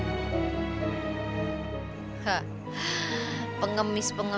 aku bener bener mengampunku